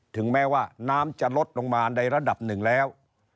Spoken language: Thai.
ถึงแม้ว่าน้ำจะลดลงมาในระดับหนึ่งแล้ว